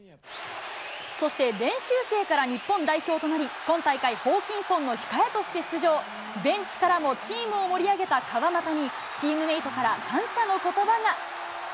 そして練習生から日本代表となり、今大会、ホーキンソンの控えとして出場、ベンチからもチームを盛り上げた川真田にチームメートから感謝のことばが。